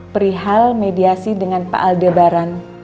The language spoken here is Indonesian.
perihal mediasi dengan pak aldebaran